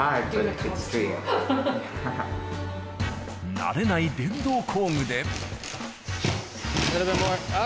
慣れない電動工具で。